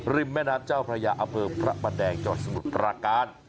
ริมแม่นัดเจ้าพระยาอเผิกพระมันแดงจอดสมุทรประการ